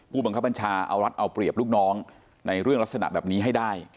ผู้บังคับบัญชาเอารัฐเอาเปรียบลูกน้องในเรื่องลักษณะแบบนี้ให้ได้